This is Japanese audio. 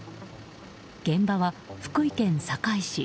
現場は福井県坂井市。